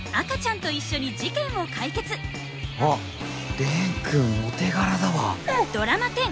あっ蓮くんお手柄だわ。